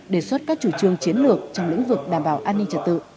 đề xuất các chủ trương chiến lược trong lĩnh vực đảm bảo an ninh trật tự